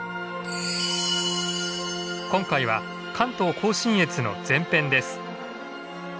今回は関東甲信越の前編です。